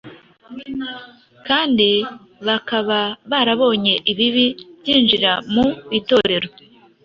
kandi bakaba barabonye ibibi byinjira mu Itorero,